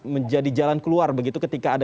menjadi jalan keluar begitu ketika ada